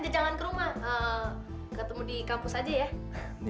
jangan ke rumah ketemu di kampus aja ya